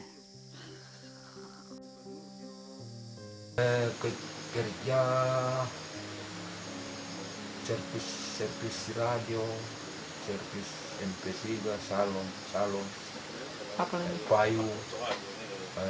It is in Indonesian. bija memiliki kemampuan untuk membuat barang yang terbaik untuk menjualnya